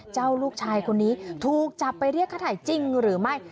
ลูกชายคนนี้ถูกจับไปเรียกค่าถ่ายจริงหรือไม่